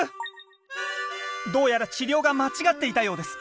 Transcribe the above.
どうやら治療が間違っていたようです。